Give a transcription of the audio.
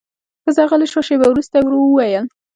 ښځه غلې شوه، شېبه وروسته يې ورو وويل: